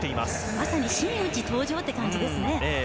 まさに真打ち登場という感じですね。